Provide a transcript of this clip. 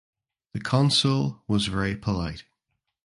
The consul was very polite.